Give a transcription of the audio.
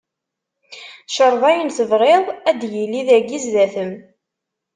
Creḍ ayen tebɣiḍ ad d-yili dagi zdat-m.